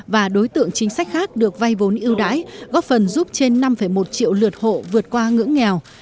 và đối tượng chính sách khác được vay vốn ưu đãi góp phần giúp trên năm một triệu lượt hộ vượt qua ngưỡng nghèo